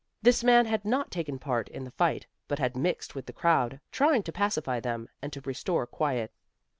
This man had not taken part in the fight, but had mixed with the crowd, trying to pacify them, and to restore quiet.